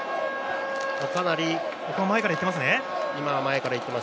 かなり今は前から行っています。